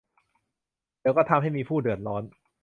แต่ก็ทำให้มีผู้เดือดร้อน